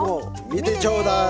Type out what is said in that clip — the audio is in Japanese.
見てちょうだい。